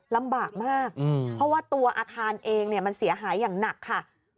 ลำบากมากเพราะว่าตัวอาคารเองมันเสียหายอย่างหนักค่ะ